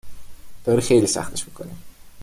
!داری خیلی سختش می کنی